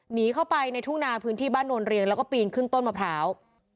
หนีเข้าไปในทุ่งนาพื้นที่บ้านโนนเรียงแล้วก็ปีนขึ้นต้นมะพร้าว